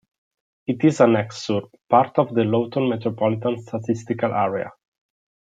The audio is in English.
It is an exurb, part of the Lawton Metropolitan Statistical Area.